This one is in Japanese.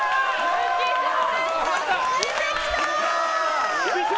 浮所さんが超えてきた！